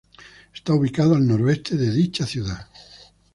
Está ubicado al noroeste de dicha ciudad.